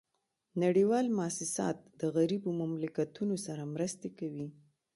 نړیوال موسسات د غریبو مملکتونو سره مرستي کوي